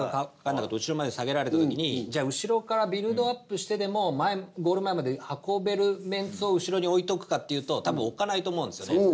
後ろまで下げられたときにじゃあ後ろからビルドアップしてでもゴール前まで運べるメンツを後ろに置いとくかっていうとたぶん置かないと思うんですよね。